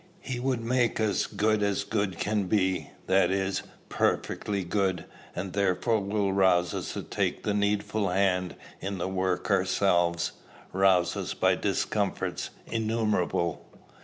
He would make us as good as good can be, that is, perfectly good; and therefore will rouse us to take the needful hand in the work ourselves, rouse us by discomforts innumerable.